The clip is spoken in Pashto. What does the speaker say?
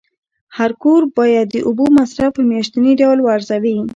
هر کور باید د اوبو مصرف په میاشتني ډول وارزوي.